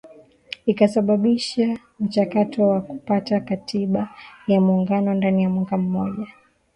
Ikasababisha mchakato wa kupata Katiba ya Muungano ndani ya mwaka mmoja